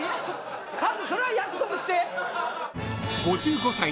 カズそれは約束して。